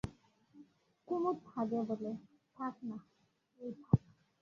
কুমুদ হাসিয়া বলে, থাক না, ওই থাক।